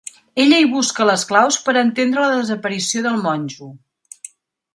Ella hi busca les claus per entendre la desaparició del monjo.